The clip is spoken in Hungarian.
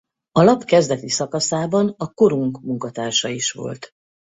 A lap kezdeti szakaszában a Korunk munkatársa is volt.